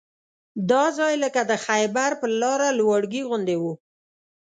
دا ځای لکه د خیبر پر لاره لواړګي غوندې وو.